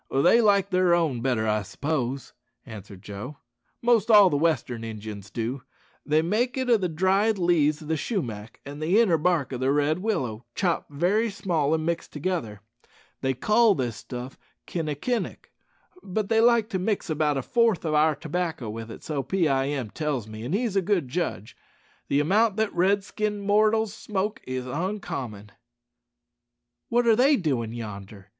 "They like their own better, I s'pose," answered Joe; "most all the western Injuns do. They make it o' the dried leaves o' the shumack and the inner bark o' the red willow, chopped very small an' mixed together. They call this stuff kinnekinnik; but they like to mix about a fourth o' our tobacco with it, so Pee eye em tells me, an' he's a good judge. The amount that red skinned mortal smokes is oncommon." "What are they doin' yonder?"